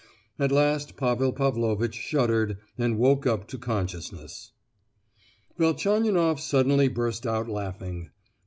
At last Pavel Pavlovitch shuddered, and woke up to consciousness. Velchaninoff suddenly burst out laughing.